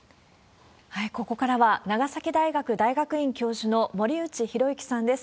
ここからは、長崎大学大学院教授の森内浩幸さんです。